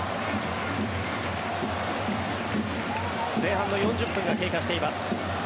前半の４０分が経過しています。